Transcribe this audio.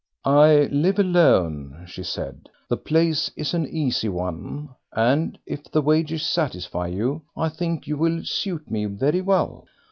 "I live alone," she said; "the place is an easy one, and if the wages satisfy you, I think you will suit me very well.